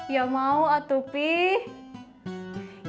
ya mau atuh pih